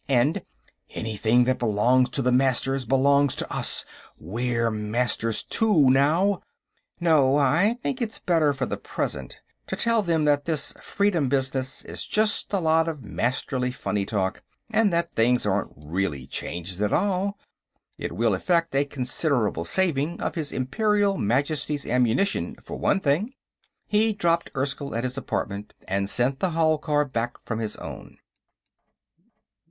And: Anything that belongs to the Masters belongs to us; we're Masters too, now. No, I think it's better, for the present, to tell them that this freedom business is just a lot of Masterly funny talk, and that things aren't really being changed at all. It will effect a considerable saving of his Imperial Majesty's ammunition, for one thing." He dropped Erskyll at his apartment and sent the hall car back from his own.